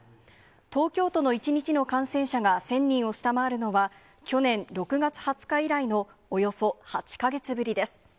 東京都の１日の感染者が１０００人を下回るのは、去年６月２０日以来の、およそ８か月ぶりです。